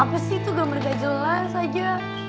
apa sih tuh gak menegak jelas aja